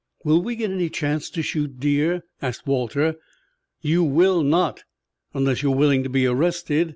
"Will we get any chance to shoot deer?" asked Walter. "You will not unless you are willing to be arrested.